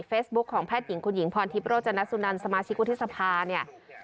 เฟสบุ๊คของแพทย์หญิงคุณหญิงพรทิพย์โรจนัสสุนันสมาชิกวัฒนภาพ